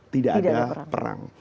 tidak ada perang